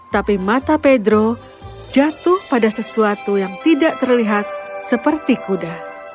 tapi mata pedro jatuh pada sesuatu yang tidak terlihat seperti kuda